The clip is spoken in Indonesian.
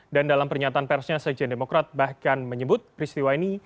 dan dalam pernyataan persnya sejen demokrat bahkan menyebut peristiwa ini